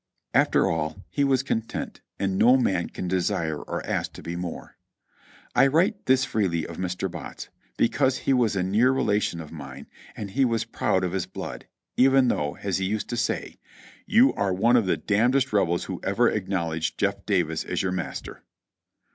After all, he was content, and no man can desire or ask to be more. I write this freely of Mr. Botts, because he was a near relation of mine, and he was proud of his blood, even though, as he used to say : "You are one of the damndest Rebels who ever acknowledged Jeff Davis as your master."